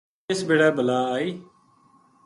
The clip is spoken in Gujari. جس بِڑے بلا آئی